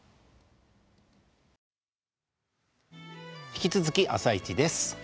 引き続き「あさイチ」です。